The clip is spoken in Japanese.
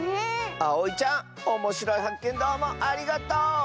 あおいちゃんおもしろいはっけんどうもありがとう！